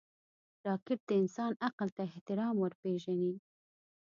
راکټ د انسان عقل ته احترام ورپېژني